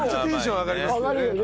上がるよね。